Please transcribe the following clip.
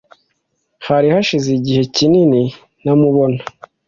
Hari hashize igihe kinini ntamubona.